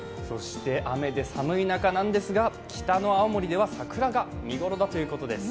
雨で寒い中なんですが北の青森では桜が満開ということです。